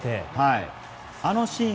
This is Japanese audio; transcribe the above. あのシーン